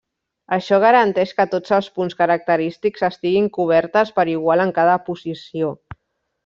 Això garanteix que tots els punts característics estiguin cobertes per igual en cada posició.